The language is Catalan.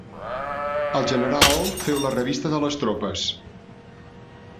El general feu la revista de les tropes.